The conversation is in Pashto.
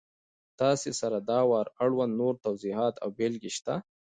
تاسې سره د وار اړوند نور توضیحات او بېلګې شته!